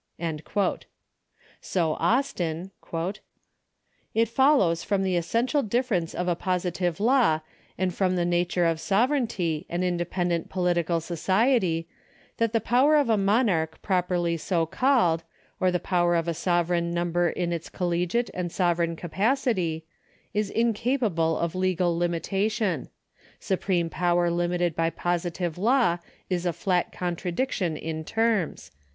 So Austin :*" It follows from the essential difference of a positive law and from the nature of sovereignty and independent political society, that the power of a monarch properly so called, or the power of a sovereign number in its collegiate and sovereign capacity, is incapable of legal limitation. ... Supreme power limited by positive law is a flat contradiction in terms."